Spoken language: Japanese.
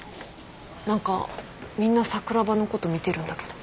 何かみんな桜庭のこと見てるんだけど。